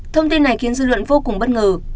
thông tin này khiến dư luận vô cùng bất ngờ